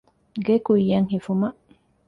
ގެ ކުއްޔަށް ހިފުމަށް